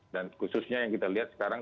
khususnya yang kita lihat sekarang